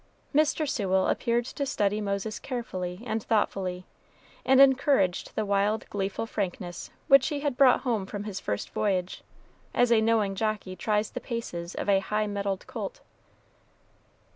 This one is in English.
Mr. Sewell appeared to study Moses carefully and thoughtfully, and encouraged the wild, gleeful frankness which he had brought home from his first voyage, as a knowing jockey tries the paces of a high mettled colt.